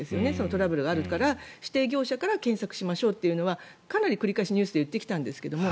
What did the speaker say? トラブルがあるから指定業者から検索しましょうというのはかなり繰り返しニュースで言ってきたんですけれども。